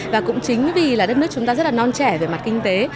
và cũng chính vì là đất nước chúng ta rất là non trẻ về mặt kinh tế